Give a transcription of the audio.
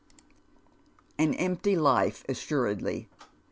An empty life assuredly.